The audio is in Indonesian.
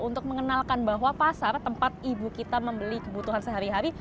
untuk mengenalkan bahwa pasar tempat ibu kita membeli kebutuhan sehari hari